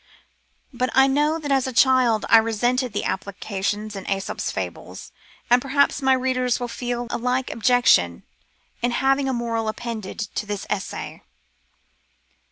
But I know that as a child I resented the applications in jfEsofs Fables^ and perhaps my reader will feel a like objection to having a moral appended to this essay.